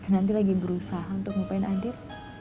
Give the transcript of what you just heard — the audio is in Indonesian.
nanti lagi berusaha untuk ngupain adit